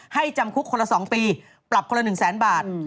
จำคุกคนละ๒ปีปรับคนละ๑แสนบาท